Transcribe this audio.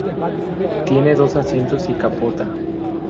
Tiene dos asientos y capota.